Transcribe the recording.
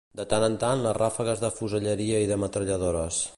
De tant en tant, les ràfegues de fuselleria i de metralladores